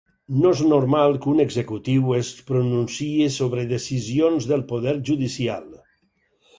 No és normal que un executiu es pronunciï sobre decisions del poder judicial.